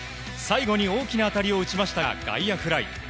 最後に大きな当たりを打ちましたが外野フライ。